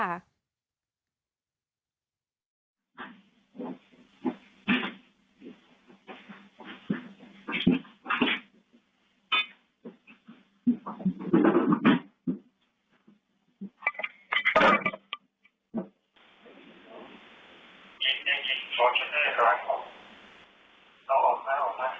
โจรมือนี่ค่ะ